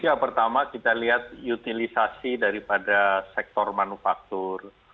ya pertama kita lihat utilisasi daripada sektor manufaktur